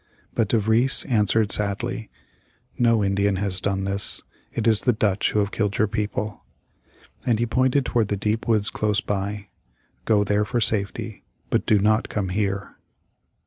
But De Vries answered, sadly, "No Indian has done this. It is the Dutch who have killed your people." And he pointed toward the deep woods close by. "Go there for safety, but do not come here."